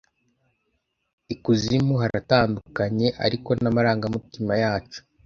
ikuzimu haratandukanye ariko n'amarangamutima yacu